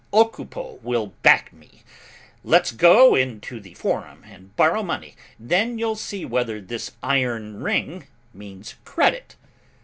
Occupo will back me! Let's go into the forum and borrow money, then you'll see whether this iron ring means credit!